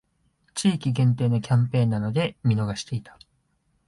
地域限定のキャンペーンなので見逃していた